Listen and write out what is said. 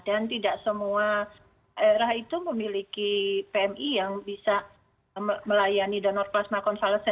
dan tidak semua daerah itu memiliki pmi yang bisa melayani donor plasma